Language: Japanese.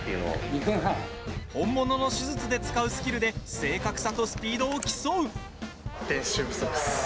本物の手術で使うスキルで正確さとスピードを競う。